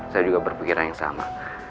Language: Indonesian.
saya juga berpikiran yang sama